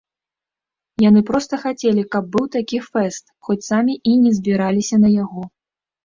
Яны проста хацелі, каб быў такі фэст, хоць самі і не збіраліся на яго.